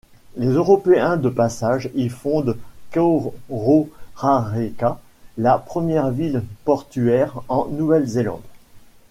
Les Européens de passage y fondent Kororareka, la première ville portuaire en Nouvelle-Zélande.